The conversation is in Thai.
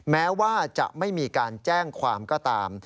แม้ว่าจะไม่มีการแจ้งความก็ตาม